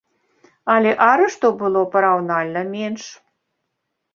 Але арыштаў было параўнальна менш.